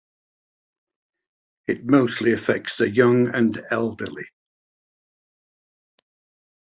It mostly affects the young and elderly.